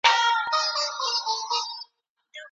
په افغانستان کي د دیني مدرسو نصاب څنګه دی؟